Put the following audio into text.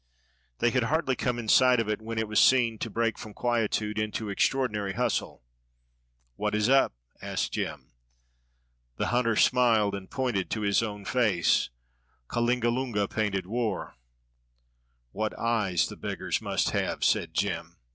They had hardly come in sight of it when it was seen to break from quietude into extraordinary bustle. "What is up?" asked Jem. The hunter smiled, and pointed to his own face: "Kalingalunga painted war." "What eyes the beggars must have," said Jem.